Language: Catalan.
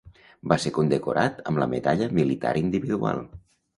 Va ser condecorat amb la Medalla Militar Individual.